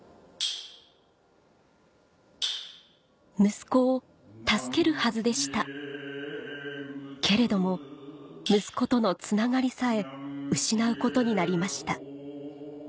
息子を助けるはずでしたけれども息子とのつながりさえ失うことになりました